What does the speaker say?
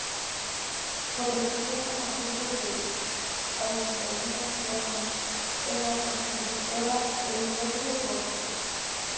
Prosiguió como jefe de auditoría interna en la Constructora Eulogio Gordo.